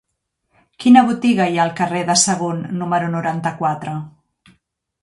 Quina botiga hi ha al carrer de Sagunt número noranta-quatre?